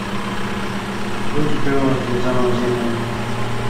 "Czuć było zbudzoną ziemię."